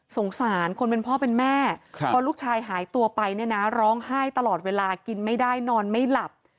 สงสารคนเป็นพ่อเป็นแม่พอลูกชายหายตัวไปเนี่ยนะร้องไห้ตลอดเวลากินไม่ได้นอนไม่หลับ